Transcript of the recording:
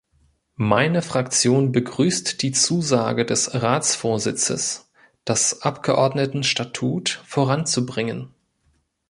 Meine Fraktion begrüßt die Zusage des Ratsvorsitzes, das Abgeordnetenstatut voranzubringen.